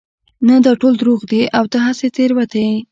نه دا ټول دروغ دي او ته هسې تېروتي يې